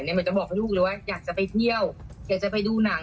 เหมือนจะบอกลูกเลยว่าอยากจะไปเที่ยวอยากจะไปดูหนัง